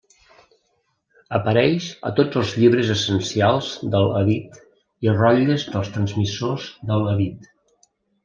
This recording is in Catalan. Apareix a tots els llibres essencials del hadit i rotlles dels transmissors del hadit.